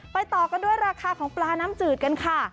ต่อกันด้วยราคาของปลาน้ำจืดกันค่ะ